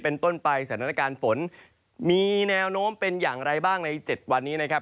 เป็นต้นไปสถานการณ์ฝนมีแนวโน้มเป็นอย่างไรบ้างใน๗วันนี้นะครับ